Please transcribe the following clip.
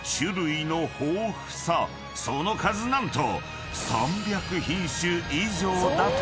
［その数何と］